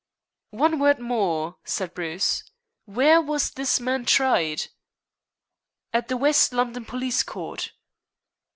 "One word more," said Bruce. "Where was this man tried?" "At the West London Police Court."